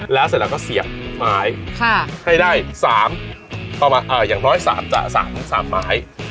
แล้วเสร็จแล้วก็เสียงไม้ค่ะให้ได้สามต่อมาอ่าอย่างน้อยสามสามสามไม้